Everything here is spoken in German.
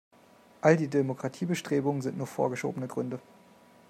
All die Demokratiebestrebungen sind nur vorgeschobene Gründe.